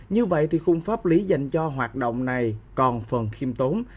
như vậy thì khung pháp lý dành cho hoạt động này còn phần khiêm tốn